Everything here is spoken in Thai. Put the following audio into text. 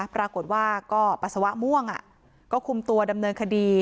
ปรากฏว่าก็ปัสสาวะม่วงก็คุมตัวดำเนินคดี